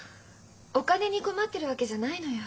お金に困ってるわけじゃないのよ。